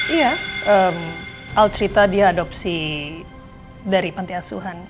iya al cerita diadopsi dari panti asuhan